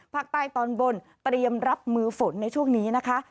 ภาคใต้ตอนบนเตรียมรับมือฝนในช่วงนี้นะคะ